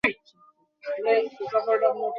সম্পূর্ণ প্রেমানুভূতিতে দেহবুদ্ধি পর্যন্ত থাকে না।